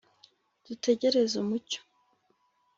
Dutegereze umucyo.